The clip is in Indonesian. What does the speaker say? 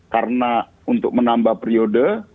karena untuk menambah periode